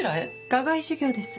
課外授業です。